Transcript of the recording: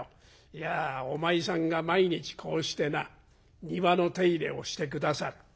「いやお前さんが毎日こうしてな庭の手入れをして下さる。